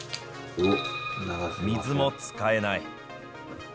水も使えない。